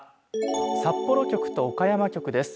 札幌局と岡山局です。